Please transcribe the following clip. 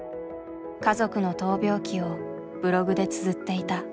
家族の闘病記をブログでつづっていた。